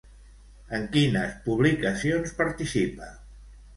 En quines publicacions participa?